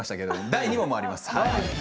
第２問、あります。